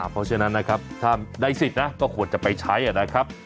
เพราะฉะนั้นนะครับถ้าได้สิทธิ์นะก็ควรจะไปใช้นะครับ